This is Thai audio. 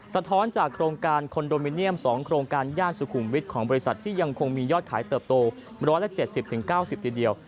สะท้อนจากโครงการคอนโดมิเนียม๒โครงการย่านสุขุมวิทย์ของบริษัทที่ยังคงมียอดขายเติบโต๑๗๐๙๐ทีเดียว